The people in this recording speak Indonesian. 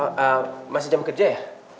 karena masih jam kerja ya